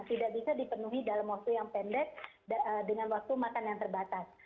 tidak bisa dipenuhi dalam waktu yang pendek dengan waktu makan yang terbatas